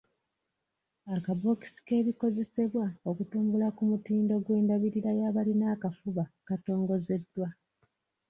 Akabookisi k'ebikozesebwa okutumbula ku mutindo gw'endabirira y'abalina akafuba katongozeddwa.